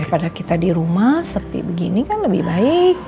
pada kita di rumah sepi begini kan lebih baik